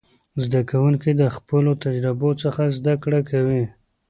زده کوونکي د خپلو تجربو څخه زده کړه کوي.